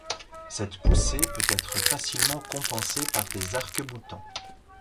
Cette poussée peut être facilement compensée par des arcs-boutants.